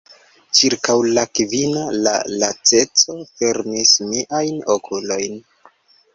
Ĉirkaŭ la kvina, la laceco fermis miajn okulojn.